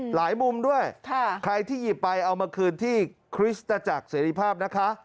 หลายมุมด้วยใครที่หยิบไปเอามาคืนที่คริสตจักรเสรีภาพนะคะ